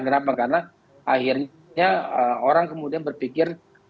kenapa karena akhirnya orang kemudian berpikir